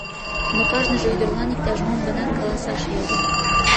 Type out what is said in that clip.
Но кажныже ӱдырлан иктаж-мом гынат каласаш йодын.